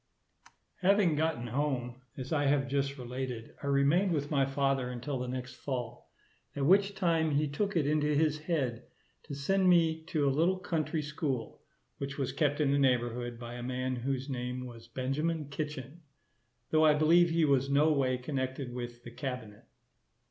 Having gotten home, as I have just related, I remained with my father until the next fall, at which time he took it into his head to send me to a little country school, which was kept in the neighbourhood by a man whose name was Benjamin Kitchen; though I believe he was no way connected with the cabinet.